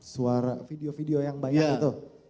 suara video video yang banyak itu